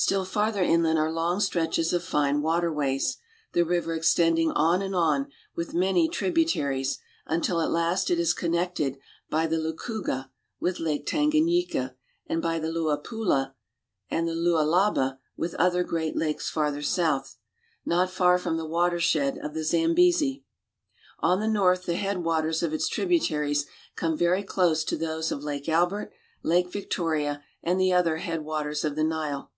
Still farther inland are long stretches of ; water ways, the river extending on and on, with many •tributaries, until at last it is connected by the Lukuga ^ Rloo koo'ga) with Lake Tanganyika, and by the Luapula \ Railway slalion, Maradi. (loo a poo'la) and the Liialaba f !oo a lh'ba) with other great lakes farther south, not far from the watershed of the Zam bezi (zam ba'zc). On the north the head waters of its trib aries come very close to those of Lake Albert, Lake i Victoria, and the other head waters of the Nile.